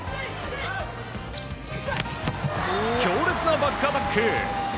強烈なバックアタック！